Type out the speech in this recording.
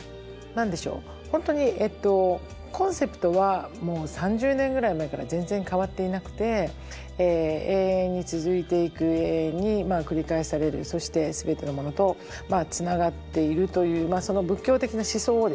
本当にコンセプトはもう３０年ぐらい前から全然変わっていなくて「永遠につづいていく永遠に繰り返されるそして全てのものとつながっている」という仏教的な思想をですね